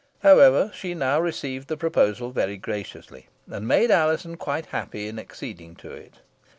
However, she now received the proposal very graciously, and made Alizon quite happy in acceding to it.